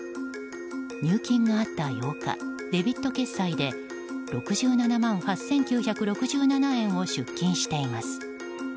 入金があった８日デビット決済で６７万８９６７円を出金しています。